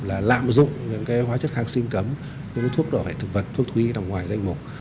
là lạm dụng những cái hóa chất kháng sinh cấm những cái thuốc đỏ vẹn thực vật thuốc thú y đồng ngoài danh mục